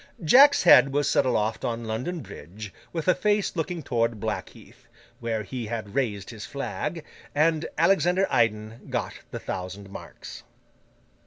Jack's head was set aloft on London Bridge, with the face looking towards Blackheath, where he had raised his flag; and Alexander Iden got the thousand marks.